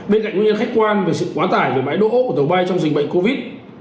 bên cạnh nguyên nhân khách quan về sự quá tải về máy đỗ của tàu bay trong dịch bệnh covid